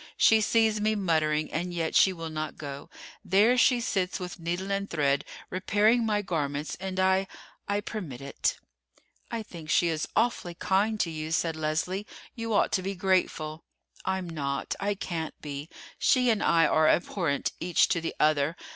She sees me muttering, and yet she will not go. There she sits with needle and thread repairing my garments, and I—I permit it." "I think she is awfully kind to you," said Leslie. "You ought to be grateful." "I'm not—I can't be. She and I are abhorrent each to the other.